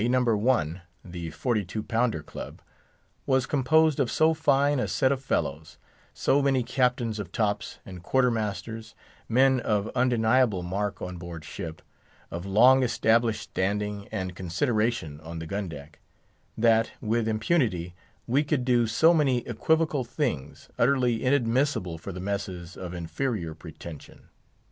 No. 1—the Forty two pounder Club—was composed of so fine a set of fellows; so many captains of tops, and quarter masters—men of undeniable mark on board ship—of long established standing and consideration on the gun deck; that, with impunity, we could do so many equivocal things, utterly inadmissible for messes of inferior pretension.